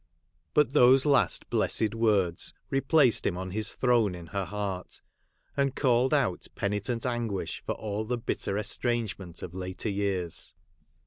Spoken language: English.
But those last blessed words replaced him on his throne in her heart, and called out penitent anguish for all the bitter estrange ment of later years.